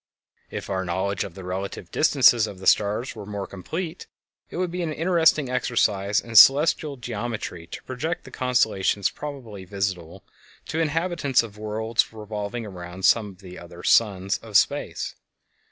If our knowledge of the relative distances of the stars were more complete, it would be an interesting exercise in celestial geometry to project the constellations probably visible to the inhabitants of worlds revolving around some of the other suns of space.